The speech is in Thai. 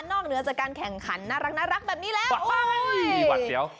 นอกเหนือจากการแข่งขันน่ารักแบบนี้แหละโอ้ย